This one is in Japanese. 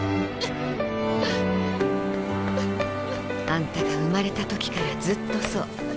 「あんたが生まれた時からずっとそう。